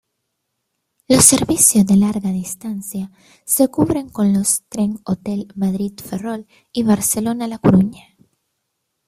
Los servicios de larga distancia se cubren con los Trenhotel Madrid-Ferrol y Barcelona-La Coruña.